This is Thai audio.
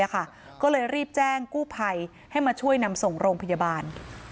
ไม่ตอบสนองเลยอ่ะค่ะก็เลยรีบแจ้งกู้ภัยให้มาช่วยนำส่งโรงพยาบาล